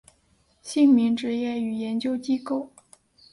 姓名职业与研究机构